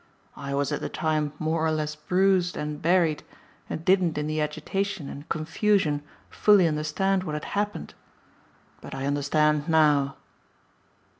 I was at the time more or less bruised and buried and didn't in the agitation and confusion fully understand what had happened. But I understand now."